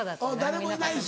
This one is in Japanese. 誰もいないし。